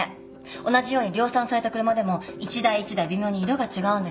同じように量産された車でも一台一台微妙に色が違うんです。